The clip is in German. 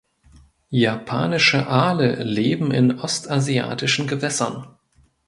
Japanische Aale leben in ostasiatischen Gewässern.